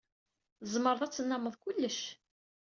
Tzemred ad tennammed kullec.